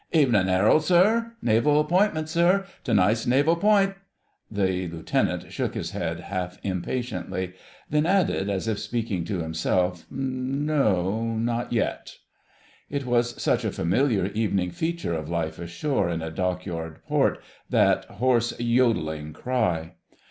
"Evenin' 'Erald! sir? Naval 'Pointments, sir ... To night's Naval 'Point——" The Lieutenant shook his head half impatiently, then added as if speaking to himself, "No—not yet." It was such a familiar evening feature of life ashore in a Dockyard Port, that hoarse, "jodelling" cry.